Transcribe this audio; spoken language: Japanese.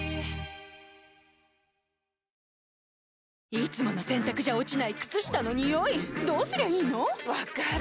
いつもの洗たくじゃ落ちない靴下のニオイどうすりゃいいの⁉分かる。